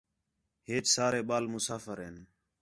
ہیچ سارے ٻال مُسافر ہین